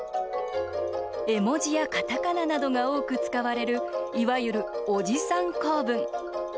絵文字や、カタカナなどが多く使われるいわゆる、おじさん構文。